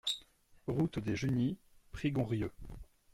Route des Junies, Prigonrieux